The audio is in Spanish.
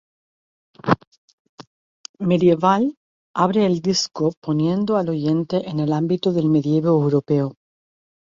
Medieval abre el disco poniendo al oyente en el ámbito del medievo europeo.